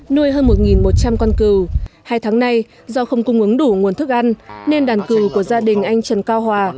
nuôi hơn một một trăm linh con cừu hai tháng nay do không cung ứng đủ nguồn thức ăn nên đàn cừu của gia đình anh trần cao hòa